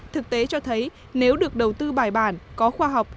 thực tế cho thấy nếu được đầu tư bài bản có khoa học